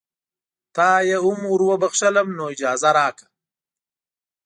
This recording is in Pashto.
تا یې هم وروبخښلم نو اجازه راکړه.